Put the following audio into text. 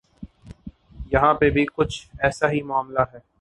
یہاں پہ بھی کچھ ایسا ہی معاملہ ہے۔